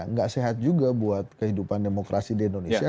nggak sehat juga buat kehidupan demokrasi di indonesia